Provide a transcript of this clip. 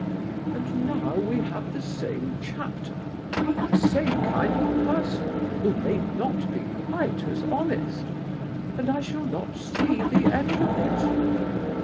And now we have the same chapter, and the same kind of person, who may not be quite as honest; and I shall not see the end of it.